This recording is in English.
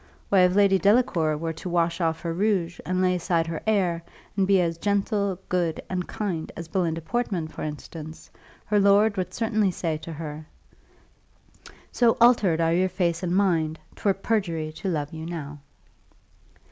Why, if Lady Delacour were to wash off her rouge, and lay aside her air, and be as gentle, good, and kind as Belinda Portman, for instance, her lord would certainly say to her, 'So alter'd are your face and mind, 'Twere perjury to love you now.